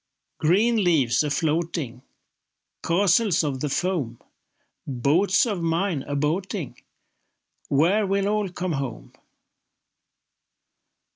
Green leaves a floating, Castles of the foam, Boats of mine a boating— Where will all come home?